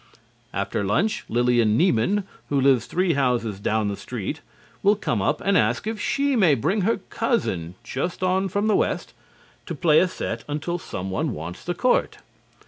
] After lunch, Lillian Nieman, who lives three houses down the street, will come up and ask if she may bring her cousin (just on from the West) to play a set until someone wants the court.